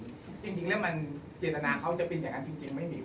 จริงแล้วมันเจตนาเขาจะเป็นอย่างนั้นจริงไม่มี